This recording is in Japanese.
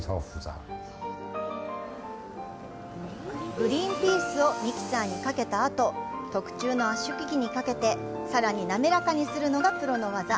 グリーンピースをミキサーにかけたあと、特注の圧縮機にかけて、さらに滑らかにするのがプロの技。